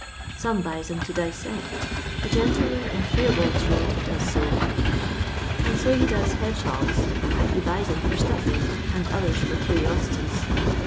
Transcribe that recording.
Some buys *em to dissect : a gentleman in Theobalds road does so, and so he does hedge hogs. Some buys 'em for stuffing, and others for cur'osities.